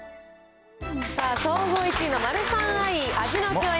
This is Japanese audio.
さあ、総合１位のマルサンアイ、味の饗宴